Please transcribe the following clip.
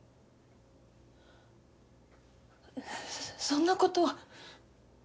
そんなことは。